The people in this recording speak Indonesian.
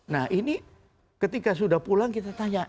nah ini ketika sudah pulang kita tanya